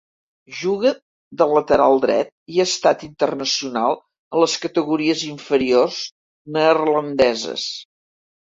Juga de lateral dret i ha estat internacional en les categories inferiors neerlandeses.